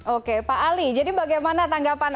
oke pak ali jadi bagaimana tanggapan